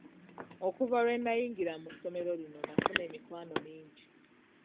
Okuva lwe nayingira mu ssomero lino nafuna emikwano mingi.